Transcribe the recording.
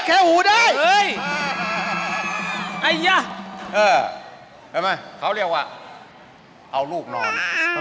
แค่หูได้เฮ้ยไอ้ยะเออเพราะมั้ยเขาเรียกว่าเอาลูกนอนอ๋อ